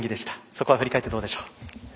そこは振り返ってどうでしょう。